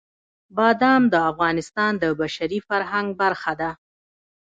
بادام د افغانستان د بشري فرهنګ برخه ده.